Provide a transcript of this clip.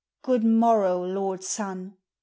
Good morrow, lord Sun !